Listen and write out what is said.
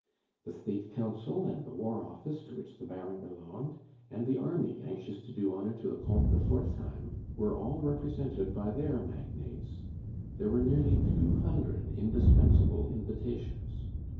The State Council, and the War Office to which the Baron belonged, and the army, anxious to do honor to the Comte de Forzheim, were all represented by their magnates. There were nearly two hundred indispensable invitations.